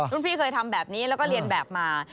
พี่เคยทำแบบนี้แล้วก็เรียนแบบมา